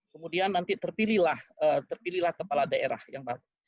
kemudian nanti terpilihlah terpilihlah kepala daerah yang baru